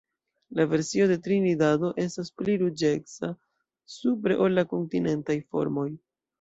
La versio de Trinidado estas pli ruĝeca supre ol la kontinentaj formoj.